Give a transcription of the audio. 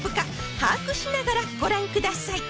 把握しながらご覧ください